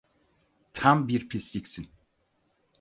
Tam bir pisliksin.